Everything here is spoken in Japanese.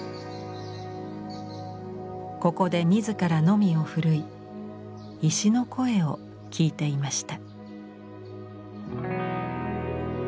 ここで自らノミを振るい石の声を聞いていました。